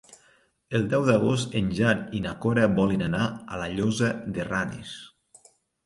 El deu d'agost en Jan i na Cora volen anar a la Llosa de Ranes.